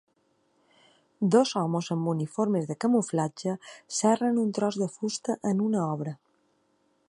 Dos homes amb uniformes de camuflatge serren un tros de fusta en una obra.